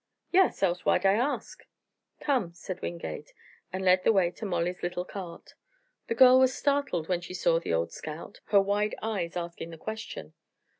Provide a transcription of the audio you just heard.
"Yes, else why'd I ask?" "Come," said Wingate, and led the way to Molly's little cart. The girl was startled when she saw the old scout, her wide eyes asking her question.